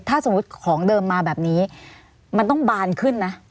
ถ้าสมมุติของเดิมมาแบบนี้มันต้องบานขึ้นนะ